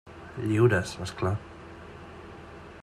Lliures, és clar.